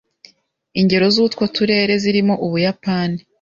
Ingero z'utwo turere zirimo Ubuyapani